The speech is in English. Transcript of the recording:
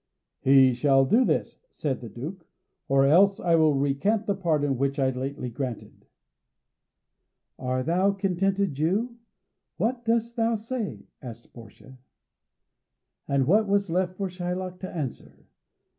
"He shall do this," said the Duke, "or else I will recant the pardon which I lately granted." "Art thou contented, Jew? What dost thou say?" asked Portia. And what was left for Shylock to answer?